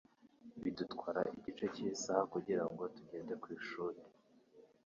Bidutwara igice cy'isaha kugirango tugende ku ishuri.